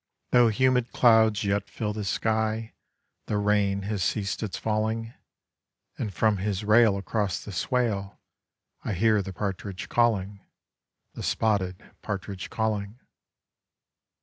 Tho' humid clouds yet fill the sky, The rain has ceased its falling, And from his rail across the swale, I hear the partridge calling, The spotted partridge calling.